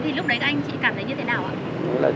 thì lúc đấy các anh chị cảm thấy như thế nào ạ